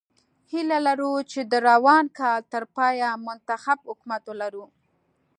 هیله لرو چې د روان کال تر پایه منتخب حکومت ولرو.